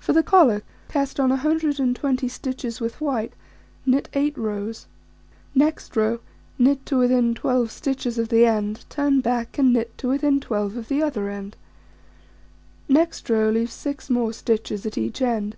For the collar: Cast on 120 stitches with white, knit 8 rows. Next row: Knit to within 12 stitches of the end, turn back, and knit to within 12 of the other end. Next row: Leave 6 more stitches at each end.